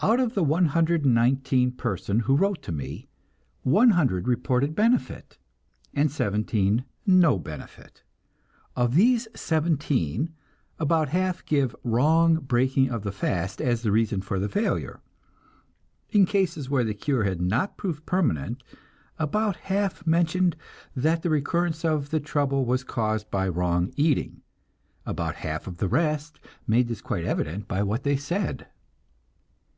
Out of the 119 person who wrote to me, 100 reported benefit, and 17 no benefit. Of these 17 about half give wrong breaking of the fast as the reason for the failure. In cases where the cure had not proved permanent, about half mentioned that the recurrence of the trouble was caused by wrong eating, and about half of the rest made this quite evident by what they said.